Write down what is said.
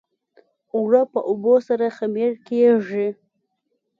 اوړه په اوبو سره خمیر کېږي